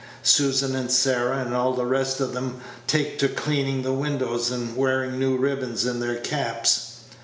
Susan and Sarah, and all the rest of 'em, take to cleaning the windows, and wearing new ribbons in their caps?"